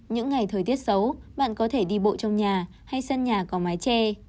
những ngày thời tiết xấu bạn có thể đi bộ trong nhà hay sân nhà có mái tre